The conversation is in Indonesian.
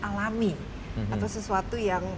alami atau sesuatu yang